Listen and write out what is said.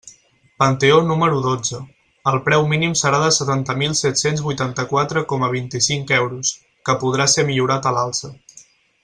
Panteó número dotze: el preu mínim serà de setanta mil set-cents vuitanta-quatre coma vint-i-cinc euros, que podrà ser millorat a l'alça.